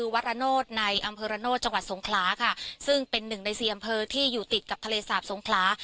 วัดระโนธในอำเภอระโนธจังหวัดสงขลาค่ะซึ่งเป็นหนึ่งในสี่อำเภอที่อยู่ติดกับทะเลสาบสงขลา